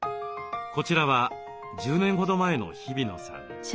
こちらは１０年ほど前の日比野さん。